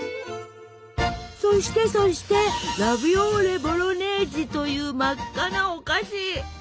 そしてそしてラヴィオーレ・ボロネージという真っ赤なお菓子！